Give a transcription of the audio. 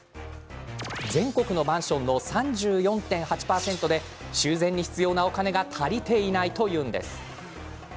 全国のマンションの３４．８％で修繕に必要なお金が足りていないというんです。